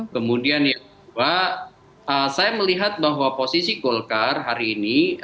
kemudian ya saya melihat bahwa posisi golkar hari ini